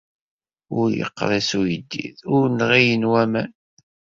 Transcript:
Ur yeqris uyeddid ur nɣilen waman.